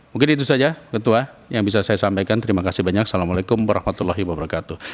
mungkin itu saja ketua yang bisa saya sampaikan terima kasih banyak assalamualaikum warahmatullahi wabarakatuh